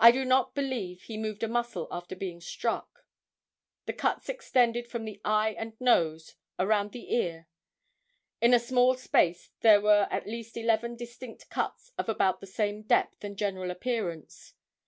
I do not believe he moved a muscle after being struck. The cuts extended from the eye and nose around the ear. In a small space there were at least eleven distinct cuts of about the same depth and general appearance.